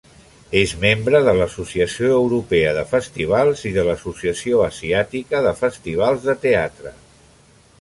És membre de l'Associació Europea de Festivals i de l'Associació Asiàtica de Festivals de Teatre.